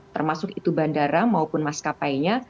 termasuk itu bandara maupun maskapainya